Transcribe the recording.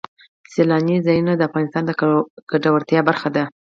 سیلانی ځایونه د افغانانو د ګټورتیا برخه ده.